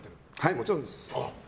もちろんです。